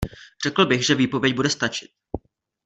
Řekl bych, že výpověď bude stačit.